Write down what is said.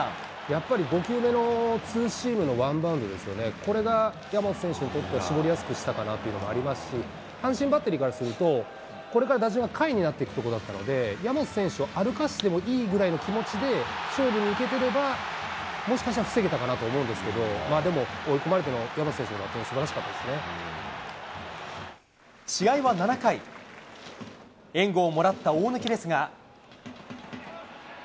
やっぱり５球目のツーシームのワンバウンドですよね、これが、大和選手にとっては絞りやすくしたかなっていうのもありますし、阪神バッテリーからすると、これから打順が下位になっていくところだったので、大和選手を歩かせてもいいぐらいの気持ちで、勝負にいけてれば、もしかしたら防げたかなとも思うんですけれども、でも、追い込まれても、試合は７回、援護をもらった大貫ですが。